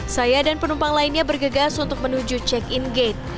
saya dan penumpang lainnya bergegas untuk menuju check in gate